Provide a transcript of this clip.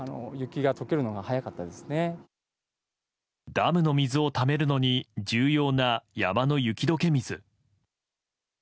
ダムの水をためるのに重要な山の雪解け水。